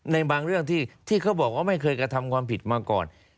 ในบางเรื่องที่เขาบอกว่าไม่เคยกระทำความผิดมาก่อน